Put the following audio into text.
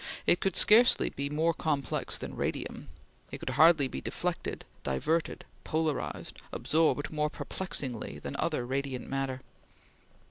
It could scarcely be more complex than radium; it could hardly be deflected, diverted, polarized, absorbed more perplexingly than other radiant matter.